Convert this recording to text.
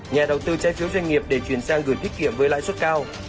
nhà đầu tư trái phiếu doanh nghiệp để chuyển sang gửi tiết kiệm với lãi suất cao